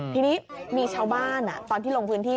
ทีนี้มีชาวบ้านตอนที่ลงพื้นที่